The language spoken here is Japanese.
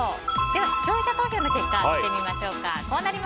では、視聴者投票の結果見てみましょうか。